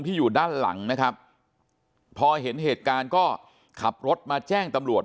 อยู่ด้านหลังนะครับพอเห็นเหตุการณ์ก็ขับรถมาแจ้งตำรวจ